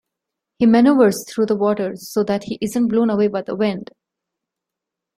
He manoeuvres through the water so that he isn't blown away by the wind.